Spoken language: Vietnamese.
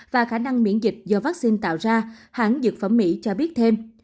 và khả năng miễn dịch do vaccine tạo ra hãng dược phẩm mỹ cho biết thêm